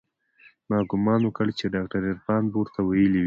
ما ګومان وکړ چې ډاکتر عرفان به ورته ويلي وي.